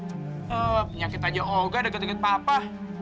ehh penyakit aja oga ada ketuk ketuk papa